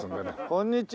こんにちは。